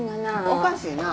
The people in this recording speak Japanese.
おかしいな。